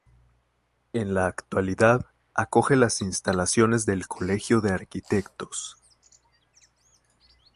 En la actualidad, acoge las instalaciones del "Colegio de Arquitectos".